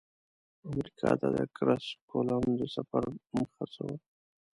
امریکا ته د کرسف کولمب د سفر موخه څه وه؟